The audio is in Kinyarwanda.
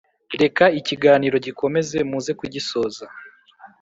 reka ikiganiro gikomeze muze kugisoza